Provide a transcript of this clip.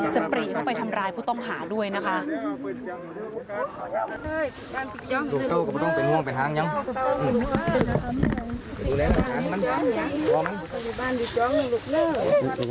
ปรีเข้าไปทำร้ายผู้ต้องหาด้วยนะคะ